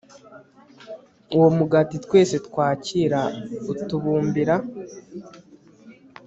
uwo mugati twese twakira utubumbira